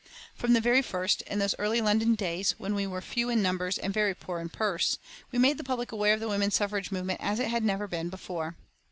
From the very first, in those early London days, when we were few in numbers and very poor in purse, we made the public aware of the woman suffrage movement as it had never been before.